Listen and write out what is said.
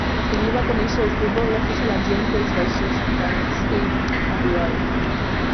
Allí va conèixer el futbol gràcies a la gent dels vaixells britànics que hi arribaven.